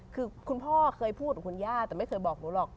คือคุณพ่อเคยพูดกับคุณย่าแต่ไม่เคยบอกหนูหรอก